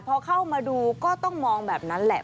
พอเข้ามาดูก็ต้องมองแบบนั้นแหละ